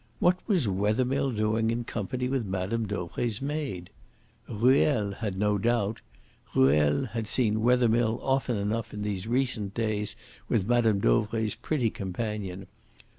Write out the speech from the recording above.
What was Wethermill doing in company with Mme. Dauvray's maid? Ruel had no doubt. Ruel had seen Wethermill often enough these recent days with Mme. Dauvray's pretty companion.